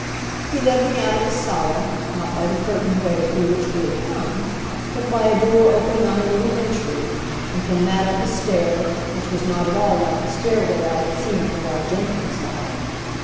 He led me out of the sala, not by the curtained way through which we had come, but by a door opening on a little entry, and from that up a stair, which was not at all like the stairway I had seen in the large entrance hall.